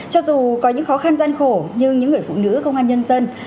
cho dù có những khó khăn gian khổ nhưng những người phụ nữ công an nhân dân